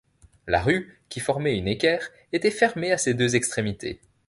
La rue, qui formait une équerre, était fermée à ses deux extrémités.